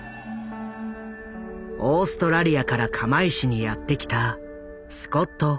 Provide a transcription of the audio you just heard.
オーストラリアから釜石にやってきたスコット・ファーディ。